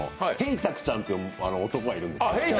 たくちゃんっていう男がいるんですよ。